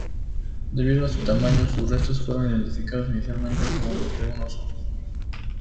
Debido a su tamaño, sus restos fueron identificados inicialmente como los de un oso.